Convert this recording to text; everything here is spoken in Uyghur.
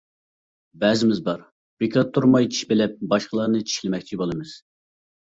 بەزىمىز بار بىكار تۇرماي چىش بىلەپ، باشقىلارنى چىشلىمەكچى بولىمىز.